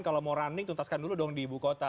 kalau mau running tuntaskan dulu dong di ibu kota